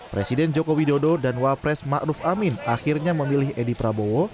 presiden joko widodo dan wapres ma'ruf amin akhirnya memilih edi prabowo